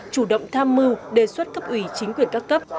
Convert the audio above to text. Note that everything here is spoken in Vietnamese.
chủ động tham mưu đề xuất cấp ủy chính quyền các cấp